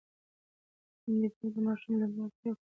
مېندې باید د ماشوم لومړني اړتیاوې پوره کړي.